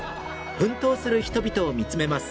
奮闘する人々を見つめます。